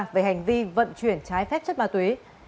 về hành vi vận chuyển trái phép chất ma túy